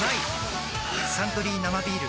「サントリー生ビール」